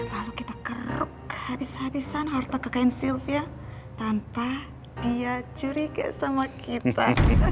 lalu kita kerap habis habisan harta kekain sylvia tanpa dia curiga sama kita